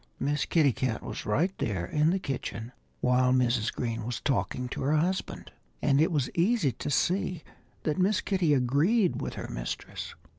Miss Kitty Cat was right there in the kitchen while Mrs. Green was talking to her husband. And it was easy to see that Miss Kitty agreed with her mistress.